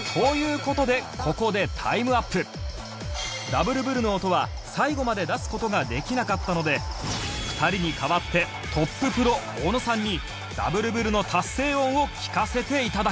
ダブルブルの音は最後まで出す事ができなかったので２人に代わってトッププロ小野さんにダブルブルの達成音を聞かせていただきます